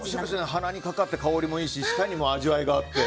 鼻にかかって香りもいいし舌にも味わいがあって。